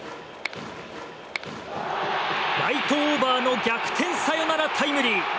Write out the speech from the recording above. ライトオーバーの逆転サヨナラタイムリー。